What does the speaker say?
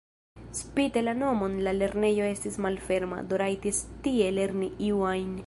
Spite la nomon la lernejo estis malferma, do rajtis tie lerni iu ajn.